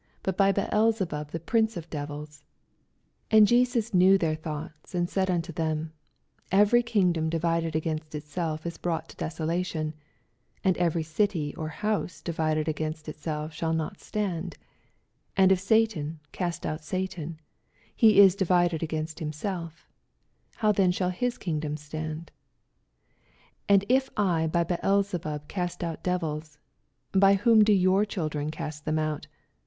but by Beelzebub the prince of the aevila. 25 And Jesus knew their thoughts, and said unto them, Eveir kingdom divided against itself is brou^t to desolation; and every city or house divided a^inst itself shall not stand : 26 And if Satan cast out Satan, he ia divided agunst himself; how snail then his kingdom stand f 27 And if I by Beelzebub cast out devils, by whom do your children oast tkem out